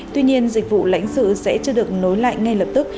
tuy nhiên dịch vụ lãnh sự sẽ chưa được nối lại ngay lập tức